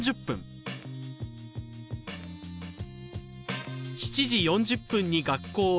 ７時４０分に学校を出発。